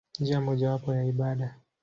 Njia mojawapo ya ibada.